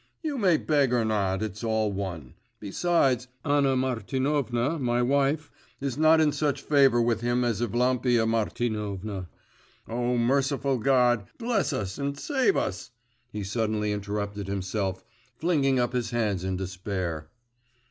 You may beg or not, it's all one. Besides, Anna Martinovna, my wife, is not in such favour with him as Evlampia Martinovna. O merciful God, bless us and save us!' he suddenly interrupted himself, flinging up his hands in despair.